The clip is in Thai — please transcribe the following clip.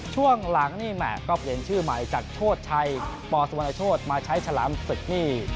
ช่วงหลังนี่แหม่ก็เปลี่ยนชื่อใหม่จากโชชัยปสุวรรณโชธมาใช้ฉลามศึกนี่